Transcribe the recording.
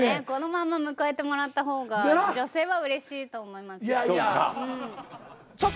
このまま迎えてもらった方が女性はうれしいと思います。